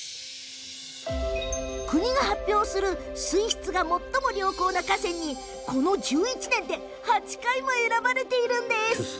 国が発表する水質が最も良好な河川にこの１１年で８回も選ばれているんです。